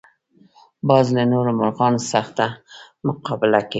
باز له نورو مرغانو سخته مقابله کوي